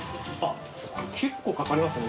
これ結構かかりますね。